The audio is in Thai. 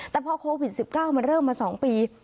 แต่พอโควิด๑๙มันเริ่มมา๒ปี